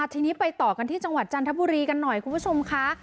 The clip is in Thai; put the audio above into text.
ทีนี้ไปต่อกันที่จังหวัดจันทบุรีกันหน่อยคุณผู้ชมค่ะ